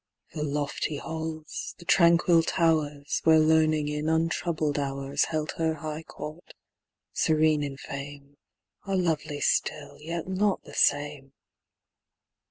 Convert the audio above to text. The lofty halls, the tranquil towers, Where Learning in untroubled hours Held her high court, serene in fame, Are lovely still, yet not the same.